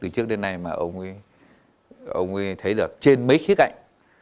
trước này ông ấy thấy được trên mấy khía cạnh